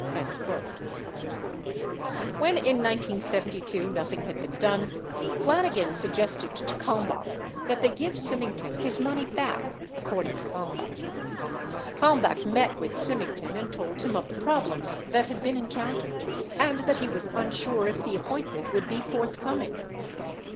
6 When in 1972 nothing had been done, Flanigan suggested to Kalm bach that they give Symington his money back, according to Kalm bach. Kalmbach met with Symington and told him of the problems that had been encountered and that he was unsure if the appointment would be forthcoming.